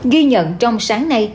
ghi nhận trong sáng nay